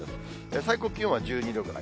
最高気温は１２度ぐらい。